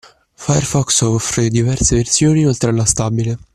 Firefox offre diverse versioni oltre alla stabile